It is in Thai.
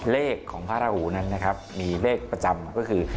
เลขของพระราหูนั้นนะครับมีเลขประจำก็คือ